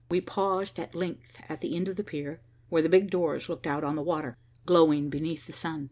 We paused at length at the end of the pier, where the big doors looked out on the water, glowing beneath the sun.